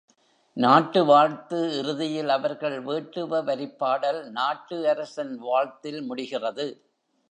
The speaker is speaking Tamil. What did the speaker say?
நாட்டு வாழ்த்து இறுதியில் அவர்கள் வேட்டுவ வரிப்பாடல் நாட்டு அரசன் வாழ்த்தில் முடிகிறது.